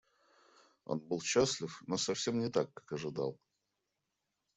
Он был счастлив, но совсем не так, как ожидал.